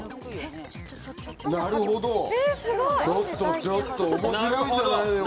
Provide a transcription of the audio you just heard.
なるほどちょっとちょっと面白いじゃないのよ